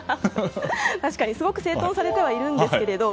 確かに、すごく整頓されてはいるんですけれども。